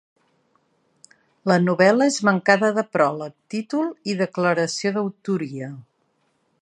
La novel·la és mancada de pròleg, títol i declaració d’autoria.